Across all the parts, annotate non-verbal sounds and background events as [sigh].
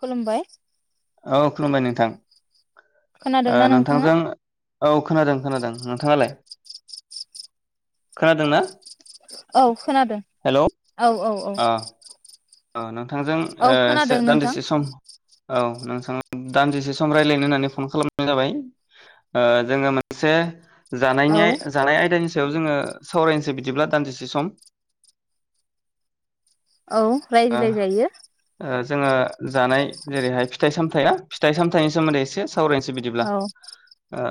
खुलुमबाय औ खुलुमबाय नोंथां ओ खोनादोंना नोंथाङा नोंथांजों औ खोनादों खोनादों नोंथाङालाय खोनादों ना औ खोनादों औ औ औ औ आ न नोंथांजों ओ सो खोनादों नोंथां दान्दिसे सम औ नोंथां दानजिसे सम रायज्लायनो होननानै फन खालामनाय जाबाय ओ जोङो मोनसे औ जानायनि जानाय आयदानि स जोङो सावरायनोसै बिदिब्ला दानदिसेसे सम औ ओ रायज्लायजायो ओ जोङो जानाय जेरैहाय फिथाइ सामथायाइया फिथाइ सामथाइनि सोमोन्दै एसे सावरायनोसै बिदिब्ला औ ओ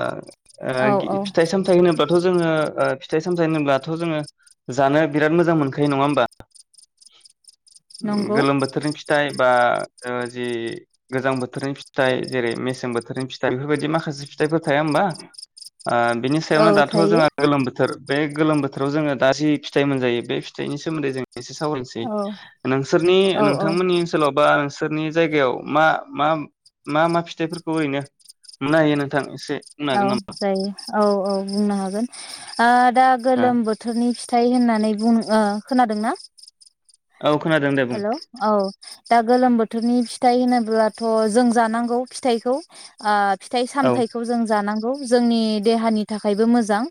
ओ औ गि औ फिथाइ सामथाय होनोबाथ जोङो ओ फिथाइ सामथाइ होनोबथ' जोङो जानो बिराद मोजां मोनखायो नङा होमबा नंगौ गोलोम बोथोरनि फिथाइ बा जि गोजां बोथोरनि फिथाइ जेरै मेसें बोथोरनि फिथाइ बेफोरबायदि माखासे फिथाइफोर थाया होमबा ओ बिनि औ सायावनो दाथ' थायो जोंहा गोलोम बोथोर बे गोलोम बोथोराव जोङो दा जि फिथाइ मोनजायो बे फिथाइनि सोमोन्दै जों एसे सावरायनो सै औ नोंसोरनि औ औ नोंथांमोननि ओनसोलाव बा सोरनि जायगायाव मा मा मा मा फिथाइफोरखौ ओरैनो मोननो हायो नोंथां एसे बुंनो औ हागोन जायो औ औ बुंनो हागोन आरो दा नामा ओ गोलोम बोथोरनि फि थाय होननानै बुं खोनादोंना औ खोनादों दे बुं हेल' औ दा गोलोम बोथोरनि फिथाइ होनोब्लाथ जों जानांगौ फिथाइखौ आ औ फिथाइ-सामथायखौ जों जानां औ जोंनि देहानि थाखायबो मोजां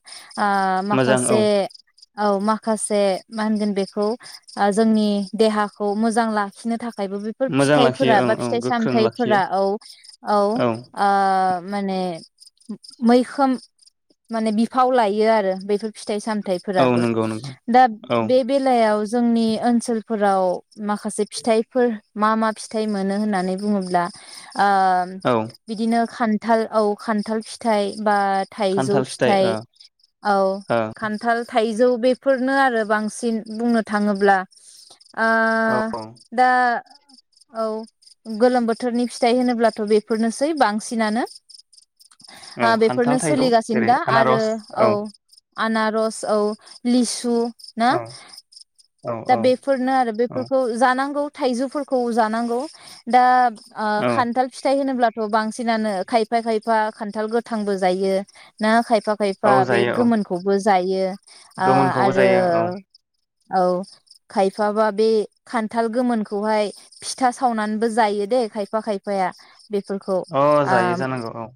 आ मोजां माखासे औ औ माखासे मा होनगोन बेखौ ओ जोंनि देहाखौ मोजां लाखिनो थाख खायबो बेफोर मोजां लाखियो फिथाइफोरा ओं बा औ गोख्रों लाखियो फिथाइ-सामथाइफोरा औ औ ओ माने मैखोम माने बिफाव लायो आरो बेफोर फिथाइ-सामथ थाइ औ फोराबो। नंगौ नंगौ दा औ बे बेलायाव जोंनि ओनसोल फोराव माखासे फिथाइफोर मा मा फिथाइ मोनो होननानै बुङोब्ला आ औ बिदिनो खान खान्थाल औ खान्थाल फिथाइ बा थाइजौ खान्थाल फिथाइ ओ औ ओ खान्थाल थाइजौ बेफोरनो आरो बांसिन बुंनो थाङोब्ला ओ औ औ दा औ गोलोम बोथोरनि फिथाइ होनोब्लाथ' बेफोरनोसै बांसिनानो ओ औ खान्थाल बेफोरनो थाइजौ सोलिगासिनो जेरै दा आरो आनारस औ आनारस औ। लिसु ना औ दा औ औ बे फोरनो आरो बेफोरखौ जानांगौ। थाइजौफोरखौ जानांगौ। दा आ औ खान्थाल फिथाइ होनोब्लाथ' बांसिन सिनानो खायफा-खायफा खान्थाल गोथांबो जायो ना खायफा खायफा औ खायफा बे जायो औ गोमोनखौबो ज जायो। ओ गोमोनखौबो जायो औ आरो औ। खायफाबा बे खान्थाल गोमोनखौहाय फिथा सावनानैबो जायो दे खायफा खायफाया बेफोरखौ अ आ जायो जानांगौ औ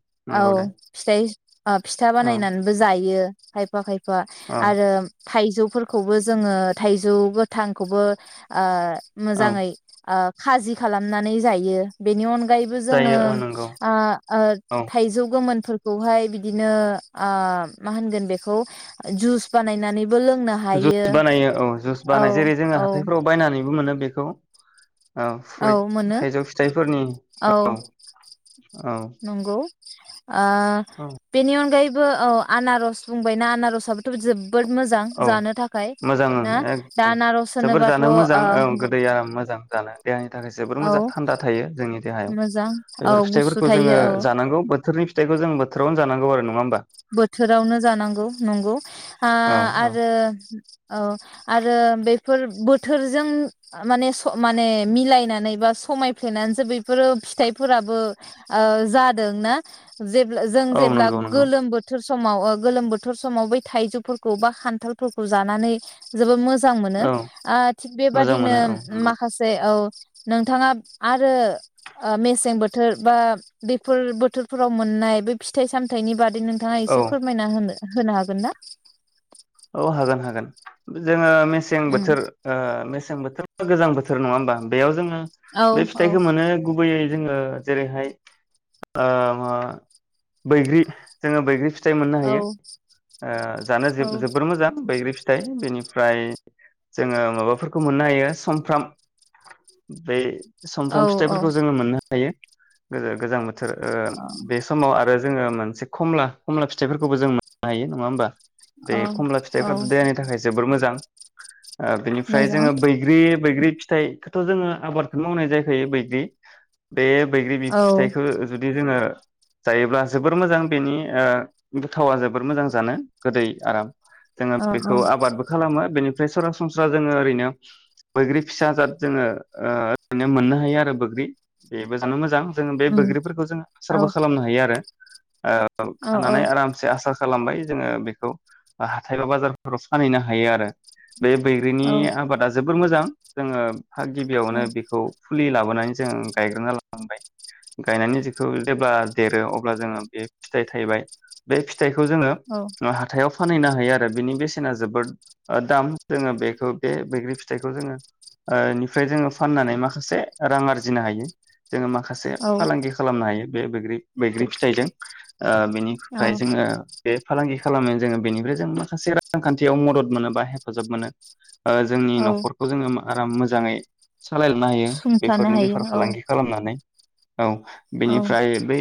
औ नंगौ दे फिथाइ आ फिथा औ बानायनानैबो जायो। खायफा खाय फोरा औ आरो थाइजौ फोरखौबो जोङो थाइजौ गो थांखौबो ओ औ मोजाङै ओ खाजि खालामनानै जायो बेनि अन गायैबो जोङो जायो औ नंगौ आ ओ औ थायजै गोमोन फोरखौहाय बिदिनो आ मा होनगोन बिखौ जुस बानायनानै जुइस बानायो औ जुस औ बानायायो जेरै जोङो औ हाथायफोराव बायनानै बो मोनो बेखौ औ फ्रुइट थाइजौ फिथाइफोरनि औ औ औ [unintelligible] आ औ बिनि अनगायै बो औ आनारस बुंबायना आनारसाबोथ' जोब जोबोद मोजां औ जानो थाखाय मोजां ओं ना दा एकदम नारस जोबोर होनोबाथ' जानो ओ मोजां ओं गोदै आराम मोजां जानो देहानि थाखाय जोबोर औ मोजां थान्दा थायो जोंनि देहायाव मोजां औ बेफोर गुसु फिथाइफोरखौ जोङो थायो औ जानांगौ बो बोथोरनि फिथायखौ जोङो जानांगौ आरो नङा होनोबा बोथोरावनो जानांगौ नंगौ आ औ औ आरो औ आरो बेफोर बोथोरजों माने माने मिलायनानै बा समायफ्लेनानैसो बेफोरो फिथाइफोराबो जादोंना जेब्ला जों औ जेब्ला नंगौ नंगौ गोलोम समाव गोलोम बोथोर समाव बै थाइजौफोरखौ बा खान्थालफोरखौ जानानै जोबोर मोजां मोजां मोनो औ आ थिग मोजां बेबादिनो मोनो औ नंगौ माखासे औ नोंथाङा आरो ओ मेसें बोथोर बा बेफोर बोथोरफोराव मोननाय बे फिथाइ सामथायाइनि बादै नों नोंथाङा औ एसे फोरमायना होनो होनो हागोन ना औ हागोन हागोन जोङो मेसें उम बोथोर ओ मेसें बोथोर गोजां बोथोर नङा होमबा बेयाव जोङो औ बे औ फिथाइखौ मोनो गुबैयै जोङो जेरैहाय ओ ओ बैग्रि जोङो बैग्रि फि फिथाइ मोननो औ हायो ओ जानो जोब जोबोर मोजां बैग्रि फि फिथाइ बेनिफ्राय जोङो माबाफोरखौ मोननो हायो समफ्राम बे औ समफ्राम फिथायफोरखौ जोङो मोननो थायो गोजो गोजां बोथो ओ बे समाव आरो जोङो मोनसे खमला खमला फिथाइफोरखौबो जों मोननो हायो नङा होमबा बे औ खमला औ फिथाइफ्राथ देहानि थाखाय जोबोर मोजां। ओ बेनिफ्राय मोजां जोङो बैग्रि बैग्रि फिथाइखोथ जोङो आबादखौनो मावनाय जाखायो बैग्रि बे बैग्रि बि औ फिथाइखो जुदि जोङो जायोब्ला जोबोर मोजां बेनि ओ गोथावा जोबोर मोजां जानो गोदै। आराम जोङो औ औ बेखौ आबादबो खालामो बेनि बेनिफ्राय सरासनस्रा जोङो ओरैनो बैग्रि फिसा जाद जोङो ओरैनो मोननो हायो आरो बैग्रि बेबो जानो मोजां। जोङो बे उम बैग्रिफोरखौ जोङो औ आसारबो खालामनो हायो आरो ओ औ खानानै आरामसे आसा खालामबाय जोङो बेखौ हाथाय बा बाजारफोराव फानहैनो हायो आरो। बे बैग्रिनि औ आबादा जोबोद जोबोर मोजां जोङो हा गिबियावनो बिखौ फुलि लाबो लाबोनानै जों गायग्रोना लानांबाय गायनानै बेखौ जेब्ला देरो अब्ला जोङो बे फिथाइ थायबाय‌ बे फिथ- फिथाइखौ जोङो औ ओ हाथ फानहैनो हायो आरो बिनि बेसेना जोबोद दाम जोङो बेखौ बे बैग्रि फिथ फिथाइखौ जोङो ओ निफ्राय जोङो फाननानै माखासे रां आरजिनो हायो। जोङो माखासे औ फालांगि खालामनो हायो। बे बोग्रि बैग्रि फिथाइजों ओ औ बिनिफ्राय जोङो बे फालांगि खालामो जोङो बेनिफ्राय जों माखासे रांखान्थियाव मदद मोनो बा हेफाजाब मोनो‌। ओ जोंनि औ न'खरखौ जोङो मा आराम मोजाङै सालायलांनो हायो सुंथानो बेफोरनि हायो बेफार औ फालांगि खालामनानै। औ औ बेनिफ्राय बै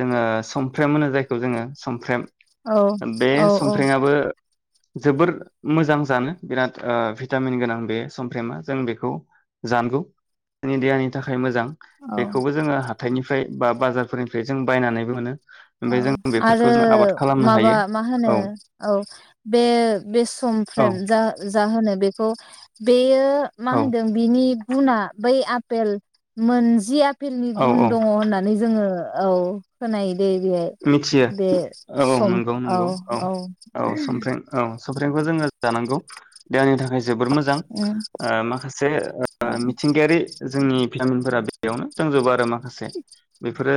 जोङो समफ्रेम होनो जायखौ जोङो समफ्रेम औ बे औ औ समफ्रेमाबो जोबोर मोजां जानो बिराद ओ भिटामिन गोनां बे सफ्रेमा जों बेखौ जानगौ जोंनि देहानि थाखाय मोजां औ बेखौबो जोङो हाथथायनि निफ्राय बा बाजारफोरनिफ्राय जों बायनानैबो मोनो औ ओमफ्राय जों बेफोरखौ आरो जों आबाद खालामनो माबा हायो मा होनो? औ औ बे बे औ समफ्रेम जा जाहोनो बेखौ बेयो मा औ होनदों बेनि गुना बैे आपेल मोनजिया आपेलनि औ गुन औ दङ होननानै जोङो औ खोनायो दे बेहाय मिथियो बे औ नंगौ नंगौ औ औ संफ्रेम औ संमफ्रेमखौ जोङो जानांगौ देहानि थाखाय जोबोर मोजां उम ओ माखासेओ ओ औ मिथिंगायारि जोंनि बि जामिनफोरा बेयावनो दांजोबो आरो ना माखासे बेफोरो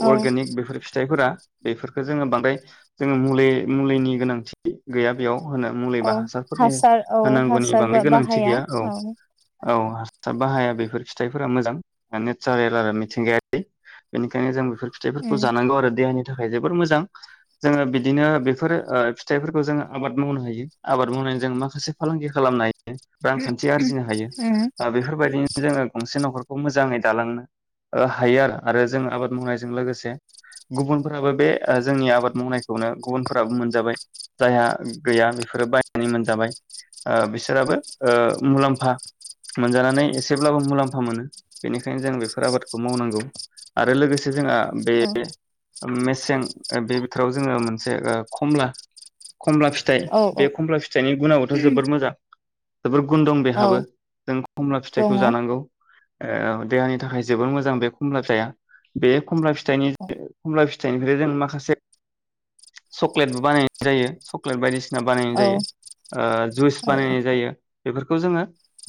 ओ औ अर्गेनिक बेफोर फि फोरा बेफोरखौ जोङो बांद्राय जोङो मुलि मुलिनि गोनांथि गैया बेयाव होनो मुलिबा औ हासारफोरनि हासार औ होनांगौनि हासार बांद्राय गोनांथि बाहाया गैया औ औ हा हासार बाहाया बेफोर फिथाइफोरा मोजां ओ नेचारेल आरो मिथिंगायारि बेनिखायनो जों बेफोर फिथाइफोरखौ उम जानांगौ आरो देहानि थाखाय जोबोर मोजां, जोङो बिदिनो बेफोर ओ फिथाइफोरखौ जोङो आबाद मावनो हायो आबाद मावनानै जों माखासे फालांगि खालामनाय रांखान्थि आरजिनो हायो उम ओ बेफोरबायदिनो जोङो गंसे न'खर खौ मोजाङै दालांनो ओ हायो आरो आरो जों आबाद मावनायजों लोगोसे गुबुनफोराबो बे ओ जोंनि आबाद मावनायखौनो गुबुनफोराबो मोनजाबाय जायहा गैया बेफोरो बायनानै मोनजाबाय ओ बिसोराबो ओ मुलाम्फा मोनजानानै एसेब्लाबो मुलाम्फा मोनो। बेनिखायनो जों बेफोर आबादखौ मावनांगौ आरो लोगोसे जोंहा ओम बे औ ओम मेसें ओ बे बोथोराव जोङो मोनसे ओ कमला खमला फिथाइ औ बे औ खमला फिथाइनि गुुनाबोथ' जोबोर मोजां जोबोर गुन दं बेहाबो औ जों खमला फिथाइखौ दङ औ जानांगौ ओ ओउ देहानि थाखाय जोबोर मोजां बे खमलाब फिथाइआ जाबे खमलाब चाइनिज फिथाइनिफ्राय जों माखासे चक्लेटबो बानायनाय जायो चक्लेट बायदिसिना ना बानायनाय औ जायो ओ जुइस औ बानायनाय जायो बेफोरखौ जोङो।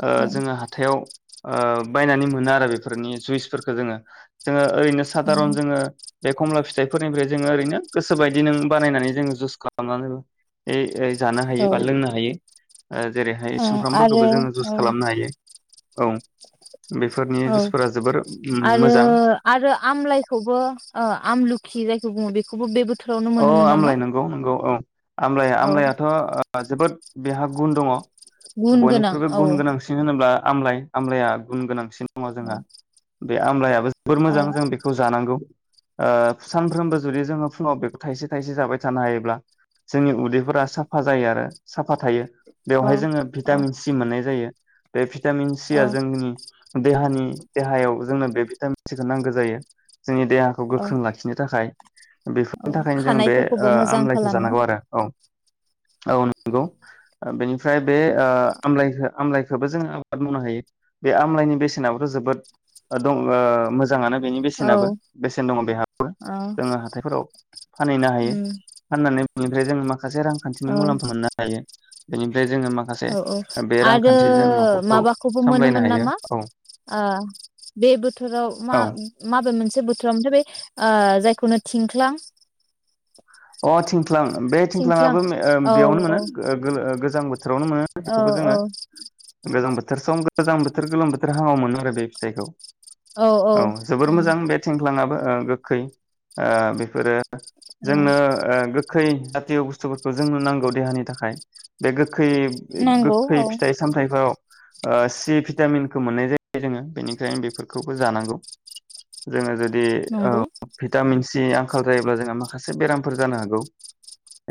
ओ जोङो हाथायाव। ओ बायनानै मोनो आरो बेफोरनि जुइसफोरखौ जोङो जोङो। ओरैनो साधारन औ जोङो। खमला फिथाइफोरनिफ्राय जोङो ओरैनो गोसोबायदि नो बानायनानै जोङो जुस खालामनानै ओइ ओइ। जानो औ हायो बा लोंनो हायो। ओ जेरैहाय ओ आरो सुमफ्रामफोरखौबो जोङो जुइस ओ खालामनो हायो औ। बेफोरनि औ जुइसफोरा जोबोर उम आरो मोजां आरो आमलाइखौबो। ओ आमलुखि जायखौ बुङो बेखौबो बेबो औ आमलाय नंगौ नंगौ औ आमलाया औ आमलायाथ' ओ जोबोद बेहा गुन दङ। गुन गोनां बयनिख्रुइबो औ गुन गोनांसिन होनोब्ला। आमलाय आमलाया गुन गोनांसिन। दङ औ जोंहा बे आमलायाबो जोबोर औ मोजां जों बेखौ जानांगौ। ओ सानफ्रोमबो जुदि जोङो फुङाव बे थाइसे थाइसे जाबाय थानो हायोब्ला जोंनि उदैफोरा साफा जायो आरो साफा थायो। औ बेवहाय जोङो औ भिटामिन सि मोननाय जायो। बे भि टामिन सि आ जोंनि। देहानि देहायाव जोंनो बे भिटामिन सिखौ नांगौ जायो। जोंनि देहाखौ औ गोख्रों लाखिनो थाखाय। बे औ थाखायनो जों बे ओ खानायफोरखौबो मोजां आमलाइखौ खालामो जानांगौ आरो औ। औ नंगौ ओ बेनिफ्राय। बे ओ आमलाइखो। आमलाइखोबो जोङो आबाद मावनो हायो बे आमलाइनि बेसेनाबोथ' जोबोद दं ओ मो जाङानो बेनि औ बेसेनाबो बेसेन दङ बेहाबो औ जोङो हाथायफोराव। फानहैनो हायो उम फाननानै। निफ्राय जों माखा माखासे रांखान्थिनि मुलाम्फा मोननो हायो। बेनि। औ-औ आरो न'खरखौ माबाखौबो सामलायनो मोनोमोन हायो नामा औ ओ बे बोथोराव मा माबे मोनसे बोथोराव मोनथ बे ओ जायखौनो थिंख्लां। अ थिं थ्लां बे थिंख्लां थिंख्लाङाबो औ बेयावनो औ मोनो। जांबो बोथोरावनो मोनो औ बेखौबो जोङो गोजां बो बोथोर सम गोजां बोथोर गोलोम बोथोर हाङाव मोनमोन आरो बे फिथाइखौ औ जोबोर उम मोजां बे थेंख्लाङाबो ओ गोखै ओ बेफोरो। औ जोंनो ओ गो खै जाथि बुस्थफोरखौ जोंनो नांगौ देहानि थाखाय बे गो खै नांगौ गोखै औ फिथाइ सामथायाइफोराव ओ सि भिटामिनखौ मोननाय जायो जोङो बेनिखायनो बेफोरखौबो जानांगौ जोङो जुदि दि नंगौ ओव फिद। भिटामिनसि आंखाल जायोब्ला जोंहा मा। माखासे बेरामफोर जानो हागौ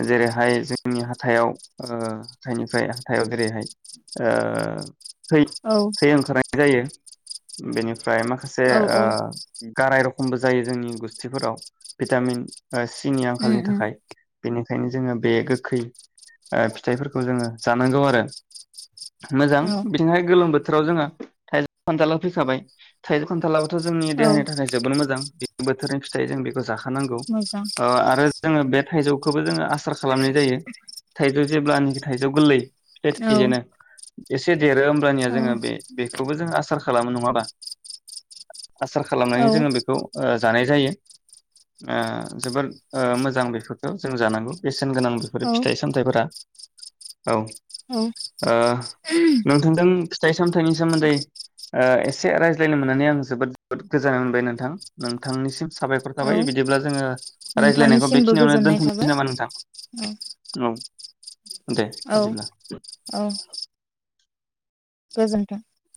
जेरैहाय जोंनि हाथाइाव हाथाइनिफ्राय हाथाइाव जेरैहाय ओ। थै औ थै ओंखारनाय। जायो बेनिफ्राय। फ्राय माखासे औ औ ओ। गाराय रखमबो जायो जोंनि गुस्थिफोराव भिटामिन। सिनि उम आंखालनि उम थाखाय। बेनिखायनो जोङो बे गोखै ओ फिथाइफोरखौ जोङो जानांगौ आरो मोजां औ बिथिंहाय गोलोम बोथोराव जोङो थाइजौ खान्थाालाव फैखाबाय थाइजौ खान्थाला। थ' जोंनि औ देहानि थाखाय जोबोर मोजां। बे बोथोरनि फिथाइ जों बेखौ जाखानांगौ। मोजां। ओ आरो जोङो बे थाइजौखौबो जोङो आस। सार खालामनाय जायो। थाइजौ जेब्लानिखि थाइजौ गोरलै। थेस औ बिजि नो। एसे। देरो होमबानिया औ जोङो बे बे। बेखौबो जों आसार खालामो नङाबा। आसार औ खालामनानै जोङो बेखौ। ओ जानाय जायोओ। जोबोद ओ मोजां बेफोरखौ जों जानांगौ बेसेन गोनां बेफोरो औ फिथाइ सामथाइफोरा औ औ ओ नोंथांजों फिथाइ सामथाइनि सोमोन्दै ओ एसे रायज्लायनो मोननानै आं जोबोद जोबोद गोजोननाय मोनबाय नोंथां नोंथांनिसिम साबायखर औ थाबाय बिदिब्ला जोङो। रायज्लायनायखौ नोंथांनिसिमबो बेखिनियावनो गोजोननाय दोनथ'नोसै थाबाय। नामा नोंथां दे औ बिदिब्ला औ। गोजोनथों।